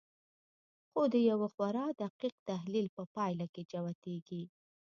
خو د یوه خورا دقیق تحلیل په پایله کې جوتېږي